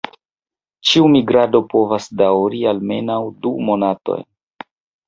Ĉiu migrado povas daŭri almenaŭ du monatojn.